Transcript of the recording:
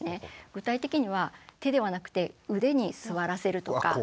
具体的には手ではなくて腕に座らせるとか。